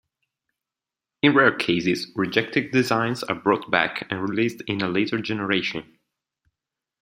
In rare cases, rejected designs are brought back and released in a later generation.